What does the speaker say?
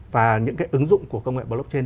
và những cái ứng dụng của công nghệ blockchain